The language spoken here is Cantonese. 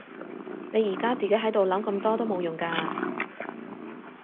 你而家自己喺度諗咁多都冇用㗎